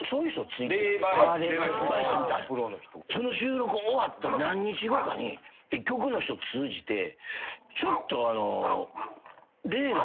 その収録終わった何日後かに局の人通じて「ちょっと」えっ？